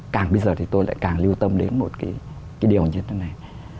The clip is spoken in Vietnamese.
càng bây giờ thì tôi lại càng lưu tâm đến một cái điều như thế này